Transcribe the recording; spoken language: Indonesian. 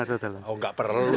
oh enggak perlu